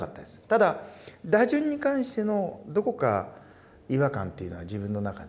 ただ打順に関してのどこか違和感っていうのは自分の中でねあれ？